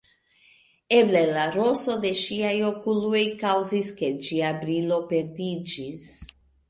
Eble la roso en ŝiaj okuloj kaŭzis, ke ĝia brilo perdiĝis.